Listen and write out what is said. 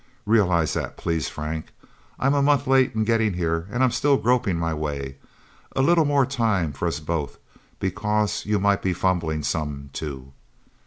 Realize that, please, Frank. I'm a month late in getting here and I'm still groping my way. A little more time for us both... Because you might be fumbling, some, too."